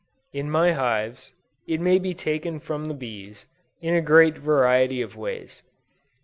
In my hives, it may be taken from the bees, in a great variety of ways.